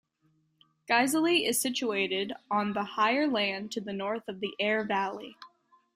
Guiseley is situated on the higher land to the north of the Aire Valley.